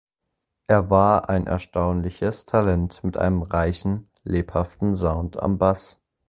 Er war ein erstaunliches Talent mit einem reichen lebhaften Sound am Bass.